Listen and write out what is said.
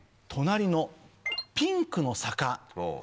隣のピンクの坂。